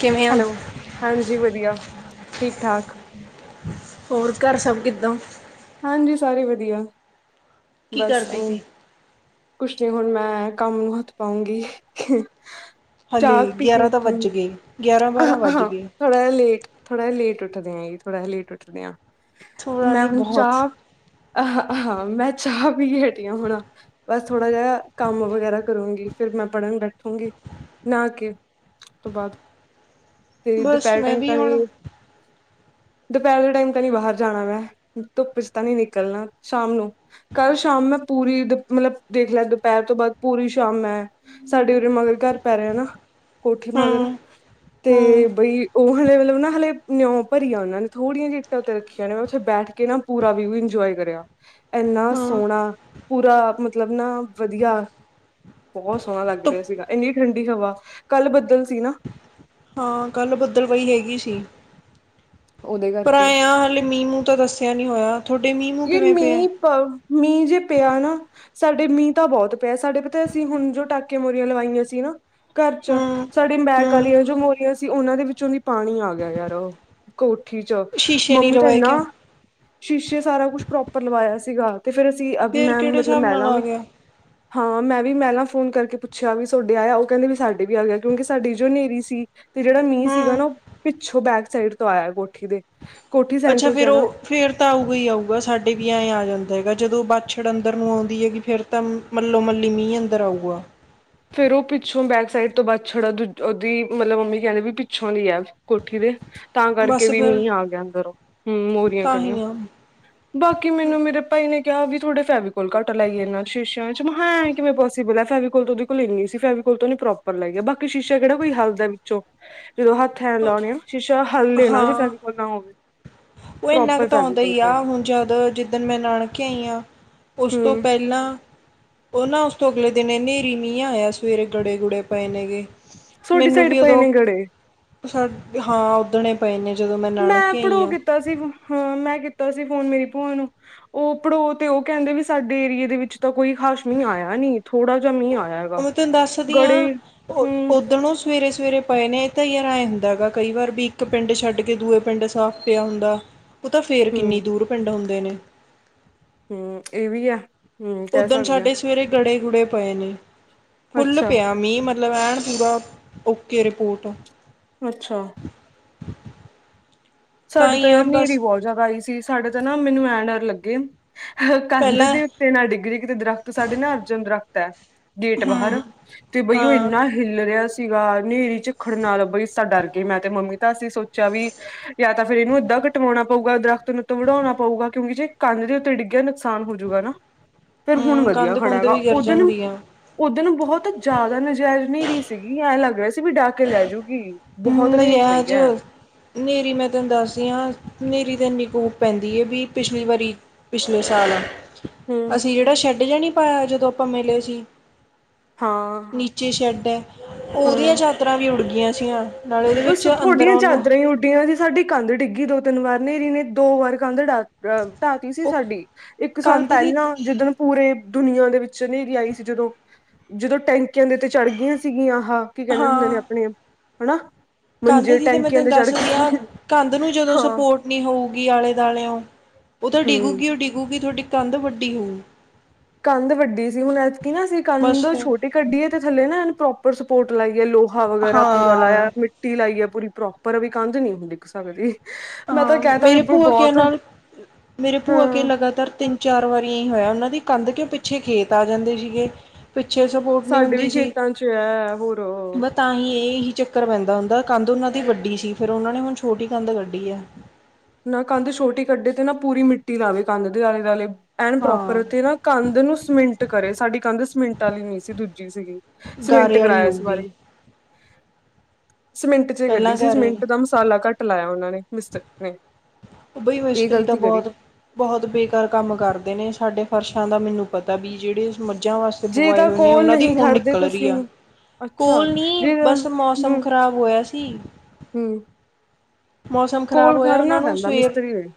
ਕਿਵੇਂ ਆ ਹੈਲੋ, ਹਾਂਜੀ ਵਧੀਆ। ਠੀਕ-ਠਾਕ। ਹੋਰ ਘਰ ਸਭ ਕਿੱਦਾਂ? ਹਾਂਜੀ ਸਾਰੇ ਵਧੀਆ। ਕੀ ਬਸ ਕਰਦੀ ਐਵੀਂ। ਸੀ ਕੁਛ ਨੀ ਹੁਣ ਮੈਂ ਕੰਮ ਨੂੰ ਹੱਥ ਪਾਵਾਂਗੀ। ਹਲੇ ਗਿਆਰਾਂ ਤਾਂ ਵੱਜ ਗਏ। ਗਿਆਰਾਂ ਬਾਰਾਂ ਵੱਜ ਹਾਂ ਗਏ ਥੋੜ੍ਹਾ ਲੇਟ ਥੋੜਾ ਲੇਟ ਉੱਠ ਉੱਠਦੇ ਹਾਂ ਥੋੜਾ ਲੇਟ ਉੱਠਦੇ ਆ। ਥੋੜ੍ਹਾ ਮੈਂ ਨਹੀਂ ਹੁਣ ਬਹੁਤ ਚਾਹ ਅ ਅ ਮੈਂ ਚਾਹ। ਪੀਕੇ ਹਟੀ ਆ ਹੁਣ ਬਸ। ਥੋੜਾ ਜਿਹਾ ਕੰਮ ਵਗੈਰਾ ਕਰੂੰਗੀ। ਫਿਰ ਮੈਂ ਪੜ੍ਹਨ ਬੈਠੂੰਗੀ ਨਾ ਕੇ ਉਸ ਤੋਂ ਬਾਅਦ। ਤੇ ਬਸ ਦੁਪਿਹਰ ਮੈਂ ਟਾਈਮ ਤਾਂ ਵੀ। ਹੁਣ ਦੁਪਹਿਰ ਦੇ ਟਾਈਮ ਤਾਂ ਨੀ ਬਾਹਰ ਜਾਣਾ ਮੈਂ ਧੁੱਪ ਚ ਤਾਂ ਨੀ ਨਿਕਲਣਾ ਸ਼ਾਮ ਨੂੰ ਕੱਲ ਸ਼ਾਮ ਮੈਂ ਪੂਰੀ ਦ ਮਤਲਬ ਦੇਖ ਲਿਆ ਦੁਪਹਿਰ ਤੋਂ ਬਾਅਦ ਪੂਰੀ ਸ਼ਾਮ ਮੈਂ ਸਾਡੇ ਉਰੇ ਮਗਰ ਘਰ ਪੈ ਰਿਹਾ ਨਾ ਕੋਠੀ ਮਗਰ। ਹਾਂ ਹਾਂ ਤੇ ਬਈ ਉਹ ਹਲੇ ਮਤਲਬ ਨਾ ਹਲੇ ਨਿਉਂ ਭਰੀ ਆ ਉਹਨਾਂ ਨੇ? ਥੋੜੀਆਂ ਜਿਹੀਆਂ ਇੱਟਾਂ ਉੱਥੇ ਰੱਖੀਆਂ ਨੇ ਮੈਂ ਉੱਥੇ ਬੈਠ ਕੇ ਨਾ ਪੂਰਾ ਵਿਊ ਇੰਜੋਏ ਕਰਿਆ । ਇੰਨਾ ਹਾਂ ਸੋਹਣਾ ਪੂਰਾ। ਮਤਲਬ ਨਾ ਵਧੀਆ ਬਹੁਤ ਸੋਹਣਾ ਲੱਗ ਧੁੱਪ ਰਿਹਾ ਸੀਗਾ ਇੰਨੀ ਠੰਡੀ ਹਵਾ ਕੱਲ ਬੱਦਲ ਸੀ ਨਾ। ਹਾਂ ਕੱਲ੍ਹ ਬੱਦਲਵਾਈ ਹੈਗੀ ਸੀ। ਉਹਦੇ ਪਰ ਕਰਕੇ ਆਏ ਆ ਹਾਲੇ ਮੀਂਹ ਮੂੰ। ਤਾਂ ਦੱਸਿਆ ਨੀ ਹੋਇਆ? ਤੁਹਾਡੇ ਮੀਂਹ ਮੂੰਹ ਯਾਰ ਕਿਵੇਂ ਪਿਆ ਮੀਂਹ ਪ ਮੀਂਹ ਜੇ ਪਿਆ ਨਾ। ਸਾਡੇ ਮੀਂਹ ਤਾਂ ਬਹੁਤ ਪਿਆ ਸਾਡੇ ਪਤਾ ਅਸੀਂ ਹੁਣ ਜੋ ਟਾਕਿਆ ਮੋਰੀਆਂ ਲਵਾਇਆ ਸੀ ਨਾ। ਘਰ ਚ ਹੂੰ ਸਾਡੇ ਮੈਕ ਹੂੰ ਵਾਲੀਆਂ ਜੋ ਮੋਰੀਆਂ, ਤੇ ਉਹਨਾਂ ਦੇ ਵਿੱਚੋਂ ਵੀ ਪਾਣੀ ਆ ਗਿਆ ਯਾਰ ਕੋ। ਕੀ ' ਚ ਸ਼ੀਸ਼ੇ ਨਹੀਂ ਮੰਮੀ ਤਾ ਲਵਾਏ ਐਨਾ। ਕਿਉਂ ਸ਼ੀਸ਼ੇ ਸਾਰਾ । ਕੁਛ ਪ੍ਰੋਪਰ ਲਵਾਇਆ ਸੀਗਾ। ਤੇ ਫੇਰ ਅਸੀਂ ਫੇਰ ਮੈ ਕਿਹੜੇ ਮਤਲਬ ਹਿਸਾਬ ਨਾਲ ਮੈਲਾ ਆ ਵੀ। ਗਿਆ ਹਾਂ ਮੈਂ ਵੀ ਮਹਿਲਾਂ ਫੋਨ ਕਰਕੇ ਪੁੱਛਿਆ ਵੀ ਸੋਡੇ ਆਇਆ ਉਹ ਕਹਿੰਦੇ ਵੀ ਸਾਡੇ ਵੀ ਆ ਗਿਆ ਕਿਉਂਕਿ ਸਾਡੀ ਜੋ ਹਨੇਰੀ ਸੀ? ਤੇ ਜਿਹੜਾ ਮੀਂਹ ਸੀਗਾ ਹੂੰ ਨਾ ਉਹ। ਪਿੱਛੋ ਬੈਕ ਸਾਈਡ ਤੋਂ ਆਇਆ ਕੋਠੀ ਦੇ। ਕੋਠੀ ਅੱਛਾ ਸੈਂਟਰ ਚ ਫੇਰ ਹੈ ਨਾ ਉਹ ਫੇਰ ਤਾਂ ਆਊਗਾ ਹੀ ਆਊਗਾ? ਸਾਡੇ ਵੀ ਆਏ ਆ ਜਾਂਦਾ ਹੈਗਾ ਜਦੋਂ ਬਾਛੜ ਅੰਦਰ ਨੂੰ ਆਉਂਦੀ ਹੈ ਗੀ ਫਿਰ ਤਾਂ ਮੱਲੋ ਮੱਲੀ ਮੀਂਹ ਅੰਦਰ ਆਊਗਾ। ਫੇਰ ਉਹ ਪਿੱਛੋਂ ਬੈਕ ਸਾਈਡ ਤੋਂ ਬਾਛੜ ਉਹਦੀ ਮਤਲਬ ਮੰਮੀ ਕਹਿੰਦੇ ਵੀ ਪਿੱਛੋਂ ਦੀ ਹੈ ਕੋਠੀ ਦੇ। ਤਾਂ ਕਰਕੇ ਬਸ ਵੀ ਫਿਰ ਮੀਂਹ ਆ ਗਿਆ ਅੰਦਰੋਂ ਹੂੰ ਮੋਰੀਆਂ ਤਾਂ ਕਣੀਉ ਹੀ ਆ ਬਾਕੀ ਮੈਨੂੰ ਮੇਰੇ ਭਾਈ ਨੇ। ਕਿਆ ਵੀ ਤੁਹਾਡੇ ਫੈਵੀ ਕੋਲ ਘੱਟ ਲਾਈ ਇਹਨਾਂ ਸ਼ੀਸ਼ਿਆਂ ਚ ਮੈਂ ਕਿਹਾ ਆਏ ਕਿਵੇਂ ਪੋਸੀਬਲ ਹੈ ਫੈਵੀ ਕੋਲ । ਫੈਵੀਕੋਲ ਇੰਨੀ ਸੀ ਫੈਵੀਕੋਲ ਤਾਂ ਉਹਨੇ ਪ੍ਰੋਪਰ ਲਾਈ ਆ ਗਿਆ ਬਾਕੀ ਸ਼ੀਸ਼ਾ ਕਿਹੜਾ ਕੋਈ ਹੱਲ ਦਾ ਵਿੱਚੋਂ। ਜਦੋਂ ਹੱਥ ਆਏ ਲਾਉਣੇ ਆ ਸ਼ੀਸ਼ਾ ਹੱਲੇ ਨਾ ਜੇ ਹਾਂ ਫੈਵੀਕੋਲ ਨਾ ਹੋਵੇ ਉਹ ਇੰਨਾ ਕੁ ਪ੍ਰੋਪਰ ਤਾਂ ਸਾਡੇ ਆਉਂਦਾ ਕੋਲ ਹੀ ਆ ਪਾਈਏ। ਹੁਣ ਜਦ ਜਿੱਦਣ ਮੈਂ ਨਾਨਕੇ ਆਈ ਹਾਂ ਉਸ ਤੋਂ ਹਮ ਪਹਿਲਾਂ ਉਹਨਾਂ। ਨਾ ਉਸ ਤੋਂ ਅਗਲੇ ਦਿਨ ਹਨੇਰੀ ਮੀਂਹ ਆਇਆ ਸਵੇਰੇ ਗੜੇ ਗੁੜੇ ਪਏ ਨੇ ਗੇ। ਸੋਡੀ ਸਾਈਡ ਪਏ ਨੇ ਗੜੇ। ਹਾਂ ਉਦਣੇ ਪਏ ਨੇ ਜਦੋਂ ਮੈਂ ਨਾਨਕੇ ਆਈ ਪੜੋ ਹਾਂ ਕੀਤਾ ਸੀ ਹਾਂ ਮੈਂ ਕੀਤਾ ਤਾਂ ਸੀ ਫੋਨ ਮੇਰੀ ਭੂਆ ਨੂੰ ਉਹ ਪੜ੍ਹੋ ਤੇ ਉਹ ਕਹਿੰਦੇ ਵੀ ਸਾਡੇ ਏਰੀਏ ਦੇ ਵਿੱਚ ਤਾਂ ਕੋਈ ਖਾਸ਼ਮੀਹ ਆਇਆ ਨਹੀ ਮੈਂ ਤੈਨੂੰ ਦੱਸਦੀ ਹ ਹੂੰ ਉੱਧਣੋਂ ਸਵੇਰੇ ਸਵੇਰੇ ਪਏ ਨੇ ਇਹ ਤਾਂ ਯਾਰਏ ਹੁੰਦਾ ਹੈ ਗਗਾ ਕਈ ਵਾਰ ਵੀ ਇੱਕ ਪਿੰਡ ਛੱਡ ਕੇ ਦੂਏ ਪਿੰਡ ਸਾਫ਼ ਪਿਆ ਹੁੰਦਾ ਉਹ ਤਾਂ ਫੇਰ ਕਿੰਨੀ ਦੂਰ ਪਿੰਡ ਹੁੰਦੇ ਹੁੰਦੇ ਨੇ ਹੂ ਇਹ ਵੀ ਆ ਉੱਦਣ ਸਾਡੇ ਸਵੇਰੇ ਗੜੇ ਰੁੜੇ ਪਏ ਨੇ ਫੁੱਲ ਅੱਛਾ ਪਿਆ ਮੀਂਹ ਮ ਲਵੈਣ ਪੁਰਾ ਓਕੇ ਰਿਪੋਰਟ ਅੱਛਾ- [inaudible] ਤਾਂ ਸਾਡੇ ਤੋਂ ਹੀ ਆ ਯਾਰ ਹਨੀਰੀ ਬਸ ਬਹੁਤ ਜ਼ਿਆਦਾ ਆਈ ਸੀ। ਸਾਡੇ ਤਾਂ ਨਾ ਮੈਨੂੰ ਐਂ ਡਰ ਲੱਗੇ ਕੰਧ ਪਹਿਲਾਂ ਦੇ ਉੱਤੇ ਨਾ ਡਿਗਰੀ ਕਿਤੇ ਦਰਖਤ ਸਾਡੇ ਨਾ ਅਰਜਨ ਦਰੱਖਤ ਤਾਂ- ਗੇਟ ਹਮ ਬਾਹਰ ਤੇ ਬਈ ਉਹ ਹਾਂ ਇੰਨਾ ਹੀਲ ਰਿਹਾ ਸੀ। ਸੀਗਾ ਹਨੇਰੀ ਚਝਿੱੱਖੜ ਨਾਲ ਭਈ ਇਸ ਤਾਂ ਡਰ ਗਈ ਮੈਂ ਤੇ ਮੰਮੀ ਤਾਂ ਅਸੀ ਸੋਚ ਚਵੀ- ਤਾਂ ਫੇ ਇਹਨੂੰ ਇਦਾਂ ਕਟਵਾਉਣਾ ਪਊਗਾ ਉੱਧਰ ਤੂੰ ਵੜਾਣਾ ਪਊਗਾ ਕਿਉ ਜੇ ਕੰਧ ਦੇ ਉੱਤੇ ਡਿੱਗਿਆ ਨੁਕਸਾਨ ਹੋਜੂਗਾ ਨਾ ਫਿਰ ਹੁਣ ਹਮ ਵਧੀਆ ਕੰਧ ਖੜਾ ਕੁੰਧ ਵਾ ਵੀ ਗਿਰ ਉਧਣ- ਜਾਂਦੀ ਆ ਉਧਣ ਬਹੁਤ ਜ਼ਿਆਦਾ ਨਜਾਇਜ਼ ਨਹੀ ਰਹੀ। ਸੀ ਗੀ ਐਂ ਲੱਗ ਰਿਹਾ ਸੀ ਵੀ ਡਾਹ ਕੇ ਲੈਜੂਗੀ ਨਿਯਜ ਹਾਨੇਰੀ ਮੈਂ ਤੈਨੂੰ ਦੱਸਦੀ ਹਾਂ ਹਨੇਰੀ ਤੇ ਇੰਨੀ ਕੂਫ ਪੈਂਦੀ ਹੈ। ਵੀ ਪਿਛਲੀ ਵਾਰੀ ਪਿਛਲੇ ਸਾਲ ਆ ਹੂੰ ਅਸੀਂ ਜਿਹੜਾ ਛੱਡ ਜਾਣੀ ਹਾ ਜਦੋਂ ਆਪਾਂ ਮਿਲੇ ਸੀ ਹਾਂ ਨੀਚੇ ਸ਼ੈਡ ਹੈ। ਉਹਦੀਆਂ ਚਾਦਰਾਂ ਵੀ ਉਡ ਗਈਆਂ। ਗੀਆਂ ਸੀ ਆਂ- ਵੇਸੇ ਤੁਹਾਡੀਆਂ ਚਾਦਰਰਾਾਂ ਹੀ ਉੱਡੀਆਂ ਸਾਡੀ ਕੰਧ ਡਿੱਗੀ ਦੋ ਤਿੰਨ ਵਾਰ ਹਨੇਰੀ ਨੇ ਦੋ ਵਾਰ ਕੰਧ ਡਾ ਧਾਤੀ ਸੀ ਉਹ ਸਾਡੀ ਇੱਕ ਸਾਲ ਕੰਧ ਦੀ ਪਹਿਲਾਂ ਜਿੱਦਣ ਪੂਰੇ ਦੁਨੀਆਂ ਦੇ ਵਿੱਚ ਹਨੇਰੀ ਆਈ ਸੀ ਜਦੋਂ ਜਦੋਂ ਟੈਂਕੀਆਂ ਦੇ ਤੇ ਚੜ੍ਹ ਗਈਆਂ ਸੀਗੀਆਂ ਹਾਂ ਕੀ ਕਹਿੰਦੇ ਹੁੰਦੇ ਨੇ ਹਾਂ ਆਪਣੇ ਹਣਾ ਕੰਧ ਦੀ ਤਾਂ ਮੈਂ ਤੈਨੂੰ ਦੱਸਦੀ ਹਾਂ ਕੰਧ ਨੂੰ ਜਦੋਂ ਹਾਂ ਸਪੋਰਟ ਨਹੀਂ ਹੋਊਗੀ ਆਲੇ ਦੁਆਲੇਓ ਉਦੋਂ ਹਮ ਡਿੱਗੂਗੀ ਉਹ ਡਿੱਗੂਗੀ ਤੁਹਾਡੀ ਕੰਧ ਵੱਡੀ ਹੋਣ ਕੰਧ ਵੱਢਡੀ ਸੀ ਹੁਣ ਕੀ ਨਾ ਸੀ ਕੰਧ ਬਸ ਫਿਰ ਛੋਟੀ ਕੱਢੀ ਹੈ ਤੇ ਥੱਲੇ ਨਾ ਇਹਨੂੰ ਪ੍ਰੋਪ ਪਰ ਸਪੋਰਟ ਲਾਈਏ ਲੋਕ ਵਗੈਰਾ ਪੂਰਾ ਹਾਂ ਲਾਇਆ ਮਿੱਟੀ ਲਾਈਏ ਪੂਰੀ ਪ੍ਰੋਪਰ ਵੀ ਕੰਧ ਨਹੀਂ ਹੁਣ ਡਿਗ ਸਕਦੀ ਮੈਂ ਤਾਂ ਹਾਂ ਕਹਿ ਤਾ ਮੇਰੇ ਵੀ ਭੂਆਕਿਆਂ ਬਹੁਤ ਨਾਲ ਮੇਰੇ ਭੂਆ ਕੇ ਹਾਂ ਲਗਾਤਾਰ ਤਿੰਨ ਚਾਰ ਵਾਰ ਹੀ ਹੋਇਆ ਉਹਨਾਂ ਦੀ ਕੰਧ ਕਿਉਂ ਪਿੱਛੇ ਖੇਤ ਆ ਜਾਂਦੇ ਸੀਗੇ ਪਿੱਛੇ ਸਪੋਰਟ ਨਹੀਂ ਸਾਡੇ ਵੀ ਹੁੰਦੀ ਸੀ, ਖੇਤਾਂ ਚ ਹੈ ਹੋਰ ਬਸ ਤਾਂ ਹੀ ਇ ਹੀ ਚੱਕਰ ਪੈਂਦਾ ਹੁੰਦਾ ਕੰਧ ਉਹਨਾਂ ਦੀ ਵੱਡੀ ਸੀ ਫਿਰ ਉਹਨਾਂ ਨੇ ਹੁਣ ਛੋਟੀ ਕੰਧ ਕੱਢੀ ਕੁੜੀਐ ਨਾ ਕੰਧ ਛੋਟੀ ਕੱਢੇ ਤੇ ਨਾ ਪੂਰੀ ਮਿੱਟੀ ਲਾਵੇ ਕੰਧ ਦੇ ਆਲੇ ਦੁਆਲੇ ਐਨ ਪ੍ਰੋਪਰ ਹਾਂ ਤੇ ਨਾਂ ਕੰਧ ਨੂੰ ਸੀਮਿੰਟ ਕਰੇ ਸਾਡੀ ਕੰਧ ਸੀਮਿੰਟ ਤਾਲੀ ਨਈਂ ਸੀ ਦੂਜੀ ਸੀਗੀ। ਸਮਿੰਟ ਗਾਰੇ ਵਾਲੀ ਕਰਾਇਆ ਇਸ ਹੋਊਗੀ। ਸੀਮਿੰਟ ਚ ਕੱਢੀ ਪਹਿਲਾਂ ਸੀ, ਗਾਰੇ ਵਾਲੀ ਸੀਮਿੰਟ ਦਾ ਮਸਾਲਾ ਘੱਟ ਲਾਇਆ ਉਹਨਾਂ ਨੇਂ। ਮਿਸਟਰ ਨਈਂ ਉਹ ਬਈ ਮਿਸਤਰੀ ਤਾਂ ਬਹੁਤ, ਬਹੁਤ ਬੇਕਾਰ ਕੰਮ ਕਰਦੇ ਨੇਂ ਸਾਡੇ ਫਰਸ਼ ਦਾ ਮੈਨੂੰ ਪਤਾ ਵੀ ਜਿਹੜੇ ਮੱਝਾਂ ਵਾਸਤੇ ਜੇ ਬਵਾਏ ਤਾਂ ਹੋਏ ਨੇਂ ਕੋਲ ਉਹਨਾਂ ਦੀ ਨਹੀਂ ਹੁਣ ਖੜਦੇ ਨਿਕਲ ਰਹੀ ਤੁਸੀਂ ਆ ਅੱਛਾ ਕੋਲ ਨੀਂ ਜੇ ਬਸ ਮੌਸਮ ਖ਼ਰਾਬ ਹੋਇਆ ਸੀ। ਤੀ ਹਂ ਮੌਸਮ ਖ਼ਰਾਬ ਹੋਇਆ ਉਹਨਾਂ ਨੂੰ ਸਵੇਰ ਮਿਸਤਰੀ ਨੇ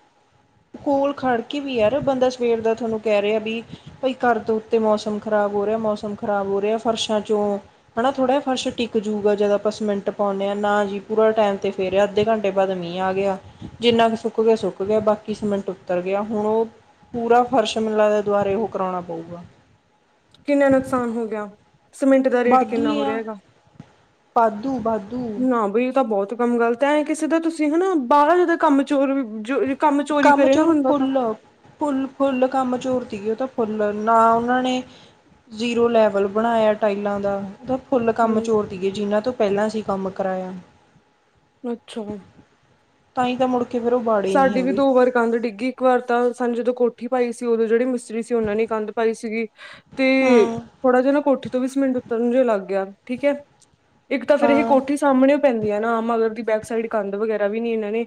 ਕੋਲ ਖੜ ਕੇ ਵੀ ਯਾਰ ਬੰਦਾ ਸਵੇਰ ਦਾ ਤੁਹਾਨੂੰ ਕਹਿ ਰਹੇ ਆ ਵੀ ਬਈ ਘਰ ਤੋਂ ਉੱਤੇ ਮੌਸਮ ਖਰਾਬ ਹੋ ਰਿਆ, ਮੌਸਮ ਖਰਾਬ ਹੋ ਰਿਆ, ਫਰਸ਼ਾਂ ਚੋਂ ਹਨਾਂ ਥੋੜ੍ਹਾ ਜਹਾ ਫਰਸ਼ ਟਿਕ ਜੂਗਾ ਜਦ ਆਪਾਂ ਸੀਮਿੰਟ ਪਾਉਂਣੇ ਆਂ। ਨਾਂ ਜੀ ਪੂਰਾ ਟਾਈਮ ਤੇ ਫੇਰਿਆ ਅੱਧੇ ਘੰਟੇ ਟੇ ਬਾਅਦ ਮੀਂਹ ਆ ਗਿਆ। ਜਿੰਨਾ ਕੁ ਸੁੱਕ ਗਿਆ, ਸੁੱਕ ਗਿਆ, ਬਾਕੀ ਸੀਮਿੰਟ ਉੱਤਰ ਗਿਆ। ਹੁਣ ਉਹ ਪੂਰਾ ਫਰਸ਼ ਮਿਨੂੰ ਲਗਦੇ ਦੁਆਰੇ ਉਹ ਕਰਾਉਣਾ ਪਊਗਾ। ਕਿੰਨਾ ਨੁਕਸਾਨ ਹੋ ਗਿਆ। ਸੀਮਿੰਟ ਦਾ ਰੇਟ ਵਾਧੂ ਕਿੰਨਾ ਹੀ ਹੋ ਰਿਹਾ ਆ ਹੈਗਾ, ਵਾਧੂ ਵਾਧੂ ਨਾਂ ਬਈ ਤਾਂ ਬਹੁਤ ਕੰਮ ਗਲਤ ਐ, ਐ ਕਿਸੇ ਦਾ ਤੁਸੀਂ ਹਨਾਂ ਬਾਹਰ ਜਦਾ ਕੰਮ ਚੋਰ ਜੋ ਚੋਰੀ ਕੰਮ ਕਰੇ ਨਾ ਚੋਰ ਬੰਦਾ ਤਾਂ ਫੁੱਲ ਫੁੱਲ ਫੁੱਲ ਕੰਮ ਚੋਰ ਦੀ ਉਹ ਤਾਂ ਫੁੱਲ ਨਾਂ ਉਹਨਾਂ ਨੇ ਜ਼ੀਰੋ ਲੈਵਲ ਬਣਾਇਆ ਟਾਈਲਾਂ ਦਾ ਫੁੱਲ ਕੰਮ ਹੂੰ ਚੋਰਦੀਏ ਜਿਨ੍ਹਾਂ ਤੋਂ ਪਹਿਲਾਂ ਸੀ। ਕੰਮ ਕਰਾਇਆ। ਅੱਛਾ। ਤਾਂ ਹੀ ਤਾਂ ਮੁੜ ਕਿ ਫਿਰ ਉਹ ਵਾੜੇ ਨਹੀਂ ਸਾਡੀ ਹੈਗੇ। ਵੀ ਦੋ ਵਾਰ ਕੰਧ ਡਿੱਗੀ ਇੱਕ ਵਾਰ ਤਾਂ ਸਾਨ ਜਦੋਂ ਕੋਠੀ ਪਾਈ ਸੀ ਉਦੋਂ ਜਿਹੜੀ ਮਿਸਤਰੀ ਸੀ ਉਹਨਾਂ ਨੇ ਕੰਧ ਪਾਈ ਸੀਗੀ ਤੇ ਹੂੰ ਥੋੜਾ ਜਿਆ ਨਾਂ ਕੋਠ ਵੀਸ ਮਿੰਟ ਉੱਤਰ ਨੂੰ ਲੱਗ ਗਿਆ ਠੀਕ ਐ। ਇੱਕ ਤਾਂ ਫੇਰ ਇਹ ਹਾਂ ਹੂੰ ਕੋਠੀ ਸਾਹਮਣੇ ਪੈਂਦੀ ਐ ਨਾਂ ਆ ਮਗਰ ਦੀ ਬੈਕ ਸਾਈਡ ਕੰਧ ਵਗੈਰ੍ਹਾ ਵੀ ਨੀਂ ਇਹਨਾਂ ਨੇ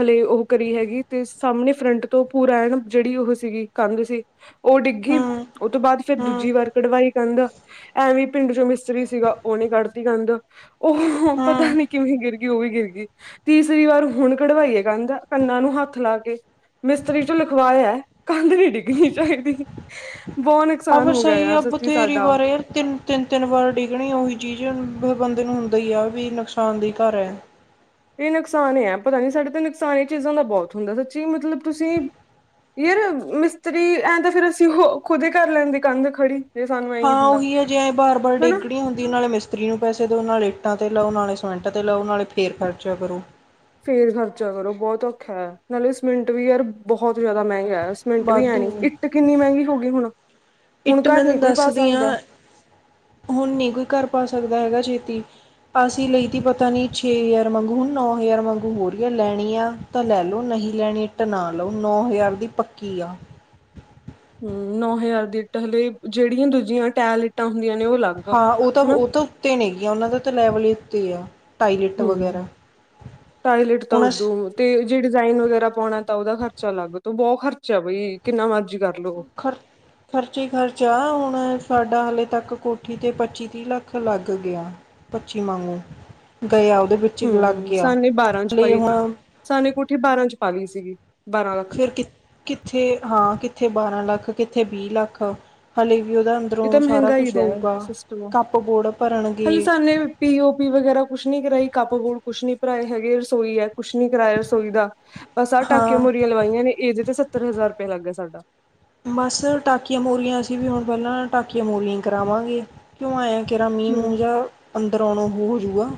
ਹਲੇ ਉਹ ਕਰੀ ਹੈਗੀ ਤੇ ਸਾਹਮਣੇ ਫਰੰਟ ਤੋਂ ਪੂਰਾ ਐਣ ਜਿਹੜੀ ਉਹ ਸੀਗੀ ਕੰਧ ਸੀ। ਉਹ ਡਿੱਗੀ ਹੂੰ ਉਹ ਤੋਂ ਬਾਅਦ ਫੇਰ ਹੂੰ ਦੂਜੀ ਵਾਰ ਕਢਵਾਈ ਕੰਦ ਐਵੇਂ ਪਿੰਡ ਚੋਂ ਮਿਸਤਰੀ ਸੀਗਾ ਉਹਨੇ ਕੱਢਤੀ ਕੰੰਧ ਉਹ ਪਤਾ ਹਾਂ ਨੀਂ ਕਿਵੇਂ ਗਿਰ ਉਹ ਵੀ ਗਿਰ ਗਈ ਤੀਸਰੀ ਵਾਰ ਹੁਣ ਕਢਵਾਈਏ ਕੰਧ। ਕੰਨਾ ਨੂੰ ਹੱਥ ਲਾ ਕੇ ਮਿਸਤਰੀ ਚ ਲਿਖਵਾਇਆ। ਕੰਧ ਨੀ ਡਿੱਗਣੀ ਚਾਹੀਦੀ ਬਹੁਤ ਨੁਕਸਾਨ ਫਿਰ ਹੋ ਗਿਆ ਸਹੀ ਯਾਰ ਆ ਸੱਚੀ ਬਥੇਰੀ ਸਾਡਾ। ਵਾਰ ਯਾਰ ਤਿੰਨ ਫਿਰ ਬੰਦੇ ਨੂੰ ਹੁੰਦਾ ਹੀ ਆ ਵੀ ਨੁਕਸਾਨ ਦੀ ਘਰ ਹੈ। ਇਹ ਨੁਕਸਾਨ ਐ ਪਤਾ ਨੀ ਸਾਡੇ ਤੇ ਨੁਕਸਾਨ ਇਹ ਚੀਜ਼ਾਂ ਦਾ ਬਹੁਤ ਹੁੰਦਾ ਸੱਚੀ ਮਤਲਬ ਤੁਸੀਂ ਯਾਰ ਮਿਸਤਰੀ ਐਂ ਤਾਂ ਫਿਰ ਅਸੀਂ ਖੁਦੇ ਕਰ ਲੈਂਦੇ ਕੰਧ ਖੜੀ। ਜੇ ਸਾਨੂੰ ਐ ਹਾਂ ਹੁੰਦਾ ਉਹੀ ਹੈਜੇ ਐਂ ਬਾਰ ਬਾਰ ਹਨਾ ਡੇਗਣੀ ਹੁੰਦੀ ਉਹੇ ਮਿਸਤਰੀ ਨੂੰ ਪੈਸੇ ਦਓ ਨਾਲੇ ਇੱਟਾਂ ਤੇ ਲਓ ਨਾਲੇ ਸਮਿੰਟਾਂ ਤੇ ਲਓ ਨਾਲੇ ਫੇਰ ਖਰਚਾ ਕਰੋ। ਫੇਰ ਖਰਚਾ ਕਰੋ ਬਹੁਤ ਔਖਾ ਹੈ ਨਾਲੇ ਸੀਮਿੰਟ ਵੀ ਯਾਰ ਬਹੁਤ ਜ਼ਿਆਦਾ ਮਹਿੰਗਾ। ਦਸ ਮਿੰਟ ਵੀ ਆਨੀ ਵਾਧੂ ਇੱਟ ਕਿੰਨੀ ਮਹਿੰਗੀ ਹੋ ਗਈ ਹੁਣ। ਹੁਣ ਇੱਟ ਘਰ ਮੈਂ ਨੀ ਤੁਹਾਨੂੰ ਕੋਈ ਪਾ ਦੱਸਦੀ ਸਕਦਾ ਹਾਂ ਹੁਣ ਨੀ ਕੋਈ ਘਰ ਪਾ ਸਕਦਾ ਹੈਗਾ ਚੇ ਅਸੀਂ ਲਈ ਤ ਪਤਾ ਨੀ ਛੇ ਹਜ਼ਾਰ ਮੰਗੂ ਹੁਣ ਨੌ ਹਜ਼ਾਰ ਵਾਂਗੂ ਹੋ ਰਹੀ ਹੈ ਲੈਣੀ ਆ ਤਾਂ ਲੈ ਲਓ ਨਹੀਂ ਲੈਣੀ ਟਣਾ ਲਓ ਨੌ ਹਜ਼ਾਰ ਦੀ ਪੱਕੀ ਆ। ਨੌ ਹਜ਼ਾਰ ਦੀ ਇੱਟਾਂ ਹਲੇ ਜਿਹੜੀਆਂ ਦੂਜੀਆਂ ਟੈਰਲ ਇੱਟਾਂ ਹੁੰਦੀਆਂ ਨੇ ਉਹ ਅਲੱਗ ਹਾਂ ਉਹ ਤਾਂ ਹਨਾ ਉਹ ਤਾਂ ਉੱਤੇ ਨੇ ਗੀਆਂ ਉਹਨਾਂ ਦਾ ਤਾਂ ਲੈਵਲ ਹੀ ਉੱਤੇ ਆ। ਟਾਇਲਟ ਵਗੈਰਾ ਹਮ ਟਾਇਲਟ ਤਾਂ ਹੁਣ ਅਸ ਉਦੋਂ ਤੇ ਜੇ ਡਿਜ਼ਾਇਨ ਵਗੈਰਾ ਪਾਉਣਾ ਤਾਂ ਉਹਦਾ ਖਰਚਾ ਅਲੱਗ ਤ ਬਹੁਤ ਖਰਚਾ ਬਈ ਕਿੰਨਾ ਮਰਜ਼ੀ ਕਰ। ਖਰ ਖਰਚੇ ਖਰਚਾ ਹੁਣ ਸਾਡਾ ਹਾਲੇ ਤੱਕ ਕੋਠੀ 'ਤੇ ਪੱਚੀ ਤੀਹ ਲੱਖ ਲੱਗ ਗਿਆ ਪੱਚੀ ਵਾਂਗੂ ਗਿਆ ਉਹਦੇ ਵਿੱਚ ਲੱਗ ਹਮ ਗਿਆ ਸਾਨੇ ਬਾਰਾਂ ਚ ਹਲੇ ਪਾਈ ਸੀ ਹੁਣ ਸਾਨੇ ਕੋਠੀ ਬਾਰਾਂ ਚ ਪੀ ਸੀ। ਜੀ ਫਿਰ ਕਿ ਕਿੱਥੇ ਹਾਂ ਕਿੱਥੇ ਬਾਰਾਂ ਲੱਖ ਕਿੱਥੇ ਵੀਹ ਲੱਖ ਹਾਲੇ ਇਹ ਤਾਂ ਮਹਿੰਗਾ ਹੀ ਦਾ ਸਿਸਟਮ ਕੱਪ ਬੋਰਡ ਭਰਨਗੇ ਹਾਲੇ ਸਾਨੇ ਪੀਓ ਪੀ ਵਗੈਰਾ ਕੁਛ ਨੀ ਕਰਾਈ ਕੱਪ ਗੂੜ ਕੁਛ ਨੀ ਭਰਾਏ ਹੈਗੇ ਰਸੋਈ ਹੈ ਕੁਛ ਨੀ ਕਰਾਇਆ ਰਸੋਈ ਦਾ ਬ ਸਾਰ ਟਾਕੀਆਂ ਹਾਂ ਮੂਰੀਆਂ ਲਵਾਈਆਂ ਨੇ ਇਹਦੇ ਤੇ ਸੱਤਰ ਹਜ਼ਾਰੁਪਆ ਲੱਗ ਗਿਆ ਸਾਡਾ ਬਸ ਟਾਕੀਆਂ ਮੂਰੀਆਂ ਅਸੀਂ ਵੀ ਹੁਣ ਪਹਿਲਾਂ ਟਾਕੀਆਂ ਮੂਰੀਆਂ ਕਰਾਵਾਂਗੇ ਕਿਉਂ ਆਇਆ ਕਿਹਰਾ ਮੀਂਹ ਮੂੰ ਹੂੰ, ਜਿਹਾ, ਅੰਦਰ ਆਉਣਾ ਹੋ ਹੋ ਜੂਗਾ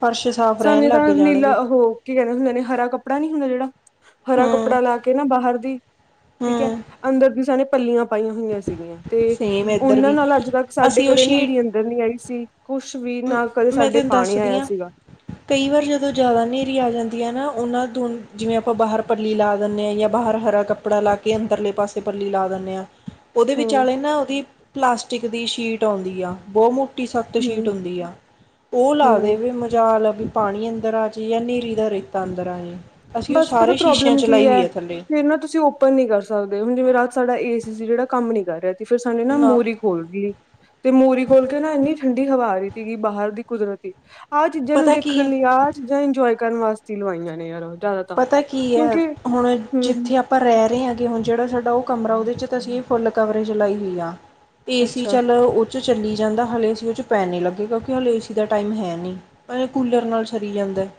ਫਰਸ਼ ਸਾਫ਼ ਰਹਿਣ ਸਾਨੂੰ ਤਾਂ ਲੱਗ ਨੀਲਾ ਜਾਣਗੇ ਉਹ ਕੀ ਕਹਿੰਦੇ ਹੁੰਦੇ ਨੇ ਹਰਾ ਕੱਪੜਾ ਨ ਜਿਹੜਾ ਹਰਾ ਹੂੰ ਕੱਪੜਾ ਲਾ ਕੇ ਨਾ ਬਾਹਰ ਦੀ ਠੀਕ ਹੈ, ਹੂੰ ਅੰਦਰ ਵੀ ਸਣੇ ਪੱਲੀਆਂ ਪਾਈਆਂ ਹੋਈਆਂ ਸੀਗੀਆਂ ਤੇ ਸੇਮ ਇੱਧਰ ਉਹਨਾਂ ਵੀ ਨਾਲ ਅੱਜ ਤੱਕ ਸਾਡੇ ਅਸੀਂ ਉਹ ਕਦੇ ਹਨੇਰੀ ਸ਼ੀਟ ਅੰਦਰ ਨੀ ਆਈ ਸੀ ਕੁਛ ਕੁਛ ਵੀ ਨਾ ਕਦੇ ਮੈਂ ਸਾਡੇ ਤੈਨੂੰ ਪਾਣੀ ਦੱਸਦੀ ਆਇਆ ਹਾਂ ਸੀਗਾ ਕਈ ਵਾਰ ਜਦੋਂ ਜ਼ਿਆਦਾ ਹਨੇਰੀ ਆ ਜਾਂਦੀ ਹੈ ਨਾ ਉਹਨਾਂ ਨੂੰ ਜਿਵੇਂ ਆਪਾਂ ਬਾਹਰ ਪੱਲੀ ਲਾ ਦਿੰਦੇ ਹਾਂ ਜਾਂ ਬਾਹਰ ਹਰਾ ਕੱਪੜਾ ਲਾ ਕੇ ਅੰਦਰਲੇ ਪਾਸੇ ਪੱਲੀ ਲਾ ਦਿੰਦੇ ਆਂ। ਉਹਦੇ ਹਮ ਵਿਚਾਲੇ ਨਾ ਉਹਦੀ ਪਲਾਸਟਿਕ ਦੀ ਸ਼ੀਟ ਆਉਂਦੀ ਆ, ਬਹੁਤ ਮੋ ਸੱਤ ਸ਼ੀ ਹਮ ਦੀ ਉਹ ਲਾ ਹਮ ਦੇ ਵੀ ਮਜਾਲ ਏ ਬੀ ਪਾਣੀ ਅੰਦਰ ਆ ਜੇ ਯਾ ਹਨੇਰੀ ਦਾ ਰੇਤਾ ਅੰਦਰ ਆ ਜਾਏ ਬਸ ਪਤਾ ਪ੍ਰੋਬਲਮ ਕੀ ਹੈ, ਫੇਰ ਨਾ ਤੁਸੀਂ ਔਪਨ ਨੀ ਕਰ ਸਕਦੇ ਹੁਣ ਜਿਵੇਂ ਰਾ ਸਾਡਾ ਏ ਸੀ ਸੀ, ਜਿਹੜਾ ਕੰਮ ਨੀ ਕਰ ਰਿਹਾ ਫਿਰ ਸਾਨੂੰ ਨਾ ਮੂਹਰੀ ਖੋਲ ਤੀ, ਤੇ ਮੂਹਰੀ ਖੋਲ ਕੇ ਨਾ ਇੰਨੀ ਠੰਡੀ ਹਵਾ ਆ ਰਹੀ। ਸਿਗੀ ਬਾਹਰ ਦੀ ਕੁਦਰਤੀ। ਆਹ ਚੀਜ਼ਾਂ ਨੂੰ ਪਤਾ ਕੀ ਦੇਖਣ ਹੈ ਲਈ, ਆਹ ਚੀਜ਼ਾਂ ਇੰਜੋਏ ਕਰਨ ਵਾਸਤੇ ਹੀ ਲਵਾਈਆਂ ਨੇ, ਯਾਰਾ ਪਤਾ ਕੀ ਹੈ ਹੁਣ ਹਮ ਜਿੱਥੇ ਆਪਾਂ ਰਹਿ ਰਹੇ ਹਾਂ ਤੇ ਹੁਣ ਜਿਹੜਾ ਸਾਡਾ ਤੇ ਔ ਕਮਰਾ, ਉਹਦੇ ਚ ਸੀਂ ਫੁੱਲ ਕਵ ਜਲਾਈ ਹੋਈ ਆ। ਏ ਸੀ ਅੱਛਾ ਚੱਲੋ ਚ ਚੱਲੀ ਜਾਂਦਾ ਹਲੇ ਉਸ ਵਿੱਚ ਚ ਪੈਣ ਨੀ ਲੱਗੇਗਾ, ਕਿਓਂ ਹਲੇੇ ਏ ਸੀ ਦਾ ਟਾਈਮ ਹੈ ਨੀ, ਪਰ ਐ ਕੂਲਰ ਨਾਲ ਸਰੀ ਜਾਂਦਾਂ ਐ।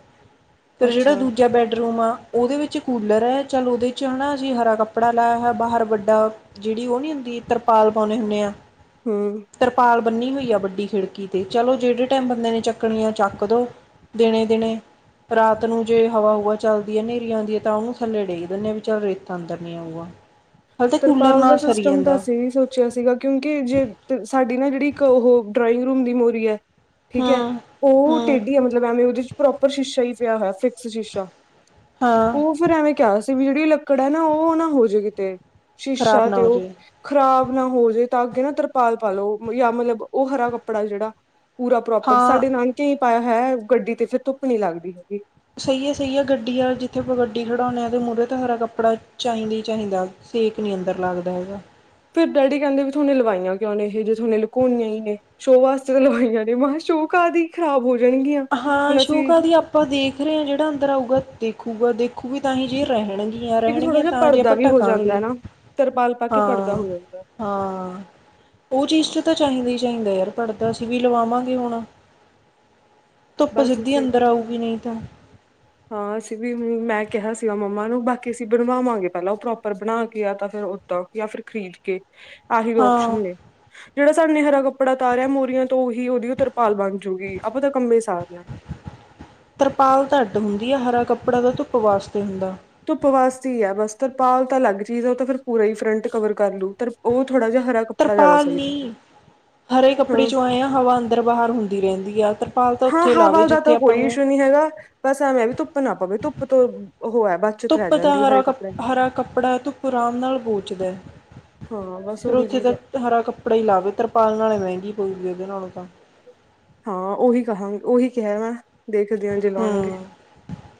ਫੇਰ ਜੇੜਾ ਅੱਛਾ ਦੂਜਾ ਬੈੱਡ ਰੂਮ ਆ ਔਦੇ ਵਿਚ ਕੂਲਰ ਐ, ਚੱਲ ਔਦੇ ਚ ਹੈਨਾ ਅਜੀ ਹਰਾ ਕੱਪੜਾ ਲਾਇਆ ਹੋਯੈ, ਬਾਹਰ ਵੱਡਾ ਜੇੜੀ ਔ ਨੀ ਹੁੰਦੀ ਤਰਪਾਲ ਪੋਣੇ ਹੁੰਣੇ ਆ। ਹੂੰ। ਬੰਨੀ ਹੋਈ ਆ ਵੱਡੀ ਖਿੜਕੀ ਤੇ, ਚਲੋ ਜੇੜੇ ਟੈਮ ਬੰਦੇ ਨੇ ਚੱਕਣੀ ਆ ਚੱਕ ਦੋ ਦਿਣੇ ਦਿਨੇ ਰਾਤ ਨੂੰ ਜੇ ਹਵਾ ਹੁਵਾ ਚੱਲਦੀ ਐ ਨੇਰੀ ਔਂਦੀ ਐ ਤਾਂ ਉਨੂੰ ਥੱਲੇ ਡੇੱਗ ਦਿੰਣੇ ਆ ਵੀ ਚੱਲ ਰੇਤਾ ਅੰਦਰ ਨੀ ਆਊਗਾ। ਹਾਲੇ ਤਾਂ ਕੂਲਰ ਤਰਪਾਲ ਦਾ ਨਾਲ ਸਰੀ ਸਿਸਟਮ ਤਾਂ ਜਾਂਦਾ ਅਸੀਂ ਵੀ ਸੋਚਿਆ ਸੀਗਾ, ਕਿਉਂਕਿ ਜੇ ਸਾਡੀ ਨਾ ਜੇੜੀ ਇੱਕ ਅਹੋ ਡਰਾਇੰਗ ਰੂਮ ਦੀ ਮੋਰੀ ਐ। ਠੀਕ ਹੈ ਹੂੰ ਉਹ ਹੂੰ ਟੇਡੀ ਐ ਮਤਲਬ ਐਵੇਂ ਉਦੇ ਚ ਪ੍ਰੋਪਰ ਸ਼ੀਸ਼ਾ ਹੀ ਪਿਆ ਹੋਯੈ ਫਿਕਸ ਸ਼ੀਸ਼ਾ। ਹਾਂ ਔ ਫਿਰ ਐਵੇਂ ਕਿਆ ਸ ਵੀੜੀ ਲੱਕੜ ਹੈ ਨਾ ਔ ਨਾ ਹੋ ਜੇ ਕਿਤੇ। ਖ਼ਰਾਬ ਸ਼ੀਸ਼ਾ ਨਾ ਤੇ ਹੋ ਔ ਜੇ ਖ਼ਰਾਬ ਨਾ ਹੋਜੇ। ਤਾਂ ਅੱਗੇ ਨਾ ਤਰਪਾਲ ਪਾਲੋ, ਯਾ ਮਤਲਬ ਓਹ ਹਰਾ ਕੱਪੜਾ ਜੇੜਾ ਪੂਰਾ ਪ੍ਰੋਪਰ ਹਾਂ ਸਾਡੇ ਨਾਨਕੇਆਂ ਈ ਪਾਯਾ ਹ ਹੈ ਗੱਡੀ ਤੇ ਫਿਰ ਧੁੱਪ ਨੀ ਲੱਗਦੀ ਹੈਗੀ। ਸਹੀ ਹੈ ਸਹੀ ਹੈ ਗੱਡੀ ਆ ਜਿੱਥੇ ਅਪਾਂ ਗੱਡੀ ਖਡਾਉਂਣੇ ਆਂ ਤੇ ਮੂਹਰੇ ਤੇ ਹਰਾ ਕੱਪੜਾ ਚਾਹੀਦੈ ਚਾਹੀਦਾ, ਸੇਕ ਨੀ ਅੰਦਰ ਲੱਗਦਾ ਹੈਗਾ। ਫੇਰ ਡੈਡੀ ਕੈੰਦੇ ਵੀ ਥੁਣੇ ਲਵਾਈਆਂ ਕਿਓ ਨੇ ਇਹ ਜੇ ਥੁਨੇ ਲੁਕੋਣੀਆਂ ਈ ਨੇ, ਸ਼ੋਅ ਵਾਸਤੇ ਤਾਂ ਲਵਾਈਆਂ ਨੇ ਮੈਂ ਖੈ ਸ਼ੋਅ ਕਾਹਦੀ ਖਰਾਬ ਹੋਜ ਅਹਾਂ ਸ਼ੋ ਕਾਦੀ ਆਪਾਂ ਦੇਖ ਰੇ ਹਾਂ ਜੇੜਾ ਅੰਦਰ ਆਊਗਾ, ਦੇਖੂਗਾ ਦੇਖ ਦੇਖੂ ਵੀ ਤਾਂ ਹੀ ਜੇ ਰੈਹੇਣ ਯਾ ਇੱਕ ਥੋੜਾ ਰੈਣਗੀਆਂ ਜਿਹਾ ਤਾਂ ਜੇ ਪਰਦਾ ਅਪਾਂ ਵੀ ਹੋ ਢੱਕਾਂਗੇ। ਜਾਂਦਾ ਨਾ ਤਰਪਾਲ ਪਾ ਕੇ ਪਰਦਾ ਹਾਂ ਹੋ ਜਾਂਦਾ ਹਾਂ, ਓਹ ਚੀਜ਼ ਹਾਂ ਚ ਤਾਂ ਚਾਹੀਦੈ ਚਾਹੀਂਦੈ ਯਾਰ ਪੜ੍ਹਦਾ ਅਸੀਂ ਵੀ ਲਵਾਵਾਂਗੇ ਹੁਣ। ਧੁੱਪ ਬਸ ਸਿੱਧੀ ਅਸੀਂ ਅੰਦਰ ਆਊਗੀ ਨਹੀਂ ਤਾ। ਹਾਂ ਅਸੀਂ ਵੀ ਮੈਂ ਕਿਹਾ ਸੀਗਾ ਮੰਮਾ ਨੂੰ ਬਾਕੀ ਅਸੀਂ ਬਣਵਾਵਾਂਗੇ ਪੈਲਾਂ ਓਹ ਪ੍ਰੋਪਰ ਬਣਾ ਕੇ ਯਾ ਤਾਂ ਫੇਰ ਓਦਾਂ ਯਾ ਫਿਰ ਖਰੀਦ ਕੇ। ਆਹੀ ਹਾਂ ਵੋਕਸ਼ਨ ਨੇ, ਜੇੜਾ ਸਾਨੇ ਹਰਾ ਕੱਪੜਾ ਤਾਰੇਆ ਮੋਰੀਆਂ ਤੋਂ ਓਹੀ ਔਦੀਔ ਤਰ ਭਾਲ ਬਣ ਜੂਗੀ ਆਪਾਂ ਤਾਂ ਕੰਮੇ ਸਾਰਣੈ। ਵਧੀਆ ਹਰਾ ਕੱਪੜਾ ਤਾਂ ਧੁੱਪ ਵਾਸਤੇ ਹੁੰਦਾ। ਧੁੱਪ ਵਾਸਤੀ ਹੈ ਬਸ। ਤਰਪਾਲ ਤਾਂ ਲੱਗ ਚੀਜ਼ ਹੈ ਓਹ ਤਾਂ ਫੈਰ ਪੂਰਾ ਹੀ ਫਰੰਟ ਕਵਰ ਕਰ ਲੂ, ਓਹ ਤਰਪਾਲ ਨੀ ਹਰੇ ਕੱਪੜੇ ਹਾਂ ਚੋਂ ਆਏ ਆ ਹਵਾ ਅੰਦਰ ਬਾਹਰ ਹੁੰਦੀ ਰੈੰਦੀ ਆ। ਤਰਪ ਹਾਂ ਹਵਾ ਦਾ ਤਾਂ ਕੋਈ ਇਸ਼ੂ ਨੀ ਹੈਗਾ। ਬਸ ਐਵੇਂ ਐਵੀ ਧੁੱਪ ਨਾ ਪਵੇ ਧੁੱਪ ਤੋ ਬ ਧੁੱਪ ਤਾ ਹਰਾ ਕਪ ਹਰਾ ਕੱਪੜਾ ਧੁੱਪ ਆਰਾਮ ਨਾਲ ਬੋਚਦੈ, ਹਾਂ ਬਸ ਫੇਰ ਉਹੀ ਓਥੇ ਚੀਜ਼ ਹੈ ਜਾਕੇ ਹਰਾ ਕੱਪੜਾ ਹੀ ਲਾਵੇ ਤਰਪਾਲ ਨਾਲੇ ਮੈੰਗੀ ਕੋਈ ਵੀਗ ਨਾਲੋ ਤਾਂ। ਹਾਂ ਔਹੀ ਕਹਾਂਗੇ ਔਹੀ ਕਿਹੈ ਮੈਂ। ਦੇਖਦੇ ਹੋ ਜਲਾਉਣਗੇ ਹੂੰ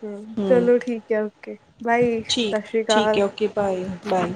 ਹਮ ਹੂੰ ਚਲੋ ਠੀਕ ਹੈ ਓਕੇ, ਬਾਈ ਠੀਕ ਸਤਿ ਸ੍ਰੀ ਠੀਕ ਅਕਾਲ ਹੈ ਓਕੇ ਬਾਏ ਬਾਏ